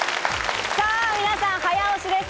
皆さん早押しです。